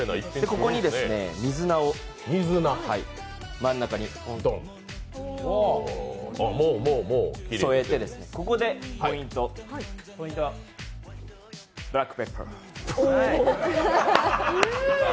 ここに水菜を真ん中にポンと添えて、ここでポイント、ブラックペッパー！